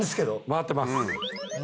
回ってます。